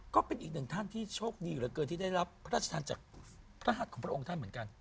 ก็เป็นอีกหนึ่งท่านที่โชคดีเหลือเกินที่ได้รับพระราชทานจากพระหัสของพระองค์ท่านเหมือนกัน